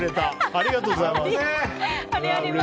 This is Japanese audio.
ありがとうございます。